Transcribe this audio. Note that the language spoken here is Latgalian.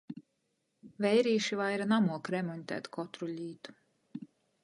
Veirīši vaira namuok remoņtēt kotru lītu.